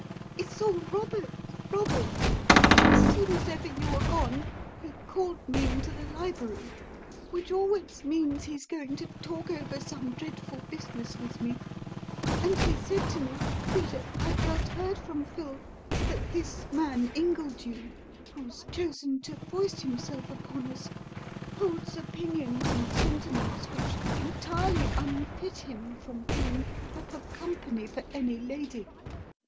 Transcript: "It's all Robert, Robert! As soon as ever you were gone, he called me into the library which always means he's going to talk over some dreadful business with me and he said to me, 'Frida, I've just heard from Phil that this man Ingledew, who's chosen to foist himself upon us, holds opinions and sentiments which entirely unfit him from being proper company for any lady.